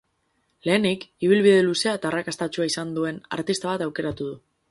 Lehenik, ibilbide luzea eta arrakastatsua izan duen artista bat aukeratu du.